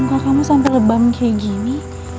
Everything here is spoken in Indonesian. muka kamu sampai lebam kayak gini